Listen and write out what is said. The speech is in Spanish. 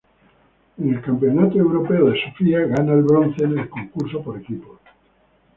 En el Campeonato Europeo de Sofía gana el bronce en el concurso por equipos.